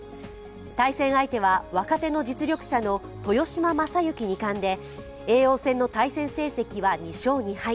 対戦相手は若手の実力者の豊島将之二冠で叡王戦の対戦成績は２勝２敗。